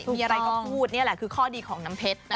มีอะไรก็พูดนี่แหละคือข้อดีของน้ำเพชร